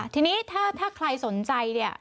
ทีนี้ถ้าใครสนใจเนี่ย